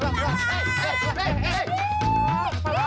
jangan lagi jangan lagi